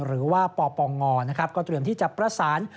หรือว่าปปงก็เตรียมที่จะประสาน